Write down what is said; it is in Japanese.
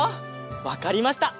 わかりました。